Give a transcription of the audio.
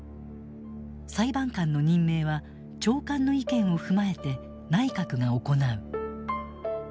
裁判官の任命は長官の意見を踏まえて内閣が行う。